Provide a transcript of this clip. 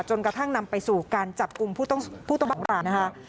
จนกระทั่งนำไปสู่การจับกุมผู้ต้องผู้ต้องบังรับนะคะ